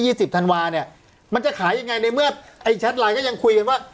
สิบธันวาเนี่ยมันจะขายยังไงในเมื่อไอ้แชทไลน์ก็ยังคุยกันว่า